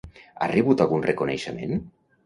Ha rebut algun reconeixement?